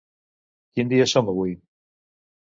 Quin dia som avui?